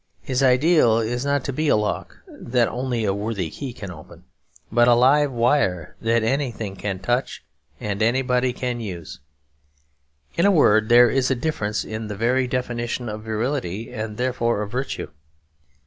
His ideal is not to be a lock that only a worthy key can open, but a 'live wire' that anything can touch or anybody can use. In a word, there is a difference in the very definition of virility and therefore of virtue.